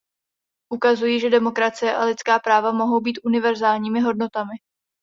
Ukazují, že demokracie a lidská práva mohou být univerzálními hodnotami.